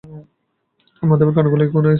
মাধ্যমের কণাগুলো কখনোই স্থির থাকে না।